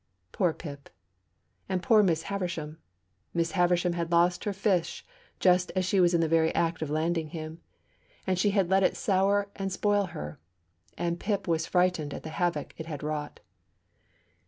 Poor Pip! And poor Miss Havisham! Miss Havisham had lost her fish just as she was in the very act of landing him. And she had let it sour and spoil her, and Pip was frightened at the havoc it had wrought.